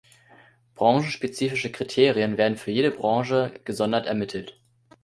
Branchenspezifische Kriterien werden für jede Branche gesondert ermittelt.